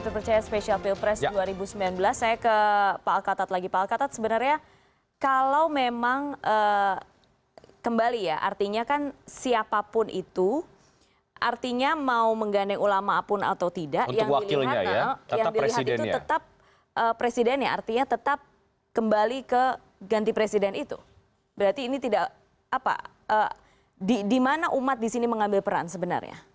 berarti ini tidak apa di mana umat di sini mengambil peran sebenarnya